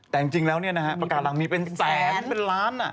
แต่จริงแล้วปากการังมีเป็นแสนเป็นล้าน